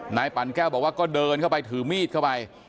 ปั่นแก้วบอกว่าก็เดินเข้าไปถือมีดเข้าไป